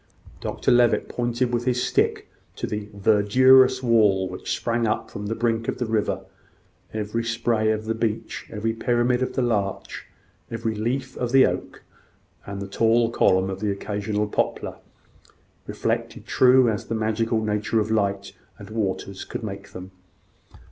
Dr Levitt pointed with his stick to the "verdurous wall" which sprang up from the brink of the river, every spray of the beech, every pyramid of the larch, every leaf of the oak, and the tall column of the occasional poplar, reflected true as the natural magic of light and waters could make them.